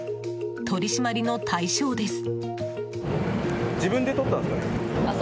取り締まりの対象です。